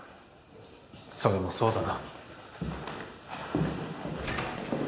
それもそうだな。